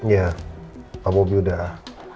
ya pak bobi udah